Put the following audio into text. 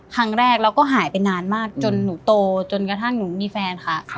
ครั้งแรกแล้วก็หายไปนานมากจนหนูโตจนกระทั่งหนูมีแฟนค่ะ